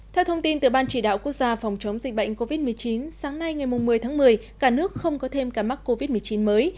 theo thông tin từ ban chỉ đạo quốc gia phòng chống dịch bệnh covid một mươi chín sáng nay ngày một mươi tháng một mươi cả nước không có thêm ca mắc covid một mươi chín mới